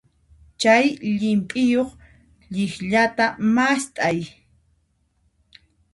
Chay llimp'iyuq llikllata mast'ay.